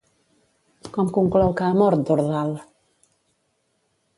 Com conclou que ha mort Dordal?